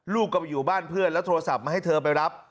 ลูกก็ไปอยู่บ้านเพื่อนแล้วโทรศัพท์มาให้เธอไปรับ